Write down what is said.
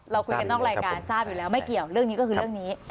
เราคุยกันนอกรายการทราบอยู่แล้วไม่เกี่ยวเรื่องนี้ก็คือเรื่องนี้